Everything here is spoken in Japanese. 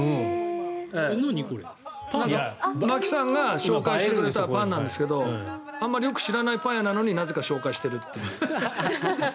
槙さんが紹介してくれたパンなんですけどあまりよく知らないパン屋なのになぜか紹介しているという。